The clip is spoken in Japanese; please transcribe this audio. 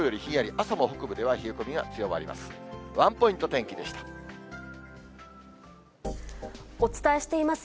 朝も北部では冷え込みが強まります。